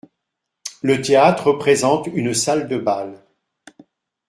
Le théâtre représente une salle de bal.